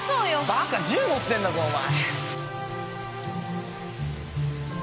バカ銃持ってんだぞお前。